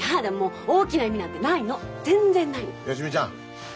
芳美ちゃん